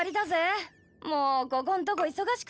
もうここんとこ忙しくてよ。